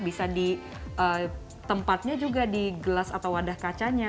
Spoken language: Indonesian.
bisa di tempatnya juga di gelas atau wadah kacanya